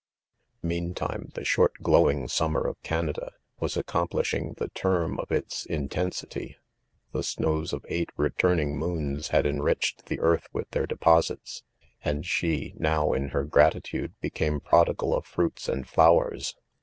'Meantime, the short glow jag summer of Canada, was accomplishing the term of its in tensity. The snows of: eight, returning moons had enriched the earth with thefr deposites, and she, now, in her gratitude, '■ became prodigal of fruits and ,■ flowers.